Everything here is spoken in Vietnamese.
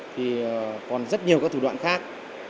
thì còn rất nhiều các thủ đoạn khác